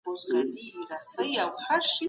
خلګ په سياسي ډګر کي خپل حقوق غواړي.